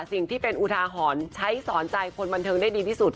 สิ่งที่เป็นอุทาหรณ์ใช้สอนใจคนบันเทิงได้ดีที่สุด